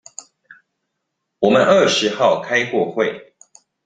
我們二十號開過會